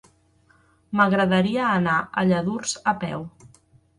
M'agradaria anar a Lladurs a peu.